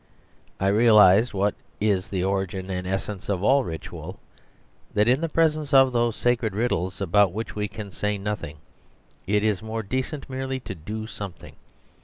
I realised (what is the origin and essence of all ritual) that in the presence of those sacred riddles about which we can say nothing it is more decent merely to do something.